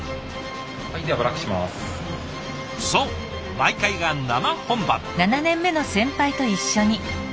そう毎回が生本番。